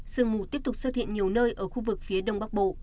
sương mù lại tiếp tục xảy ra ở nhiều nơi ở khu vực phía đông bắc bộ